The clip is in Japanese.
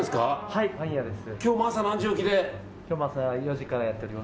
はい、パン屋です。